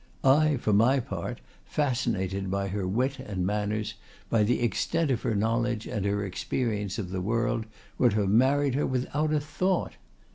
I, on my part, fascinated by her wit and manners, by the extent of her knowledge and her experience of the world, would have married her without a thought.